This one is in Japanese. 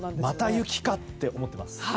また雪かって思っています。